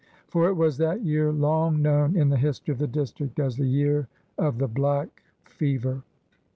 For it was that year long known in the history of the district as the year of the Black Fever.